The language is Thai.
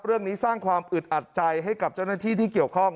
เรื่องนี้สร้างความอึดอัดใจให้กับเจ้าหน้าที่ที่เกี่ยวข้อง